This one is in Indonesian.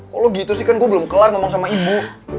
kalau gitu sih kan gue belum kelar ngomong sama ibu